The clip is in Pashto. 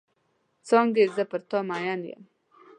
څانګې زه پر تا مئن یم.